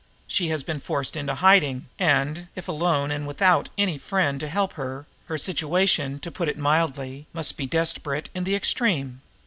She has been forced into hiding, and, if alone and without any friend to help her, her situation, to put it mildly, must be desperate in the extreme.